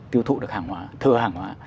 tiêu thụ được hàng hóa thừa hàng hóa